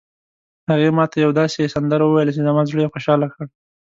هغې ما ته یوه داسې سندره وویله چې زما زړه یې خوشحال کړ